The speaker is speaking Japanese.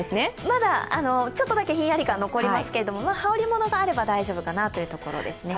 まだちょっとだけひんやり感が残りますけれども、羽織り物があれば大丈夫かなというところですね。